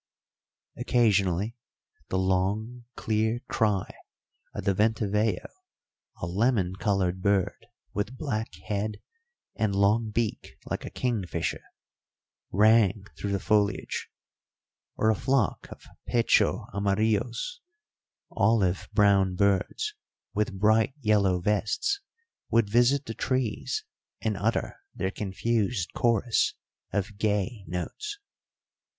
Occasionally the long, clear cry of the venteveo, a lemon coloured bird with black head and long beak like a kingfisher, rang through the foliage; or a flock of pecho amarillos, olive brown birds with bright yellow vests, would visit the trees and utter their confused chorus of gay notes.